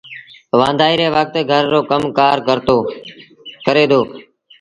وآݩدآئيٚ ري وکت گھر رو ڪم ڪآر ڪري دو